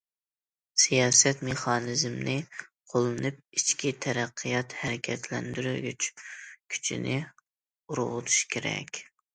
سىياسەت مېخانىزمىنى قوللىنىپ، ئىچكى تەرەققىيات ھەرىكەتلەندۈرگۈچ كۈچىنى ئۇرغۇتۇش كېرەك.